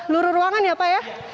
luruh ruangan ya pak ya